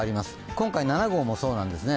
今回７号もそうなんですね。